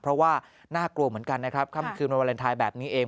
เพราะว่าน่ากลัวเหมือนกันนะครับค่ำคืนวันวาเลนไทยแบบนี้เอง